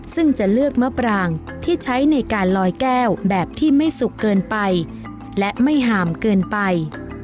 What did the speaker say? ซึ่งจะเลือกมะปรางที่ใช้ในการลอยแก้วแบบที่ไม่สุกเกินไปและไม่ห่ามเกินไป